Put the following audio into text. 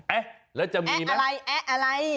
แอะแล้วจะมีมั้ยแอะอะไรแอะอะไร